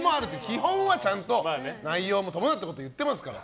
基本は、ちゃんと内容も伴ったこと言ってますから。